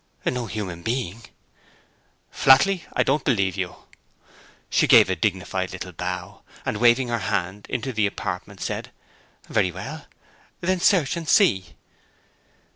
'No human being.' 'Flatly, I don't believe you.' She gave a dignified little bow, and, waving her hand into the apartment, said, 'Very well; then search and see.'